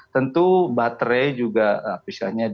tentu baterai juga bisa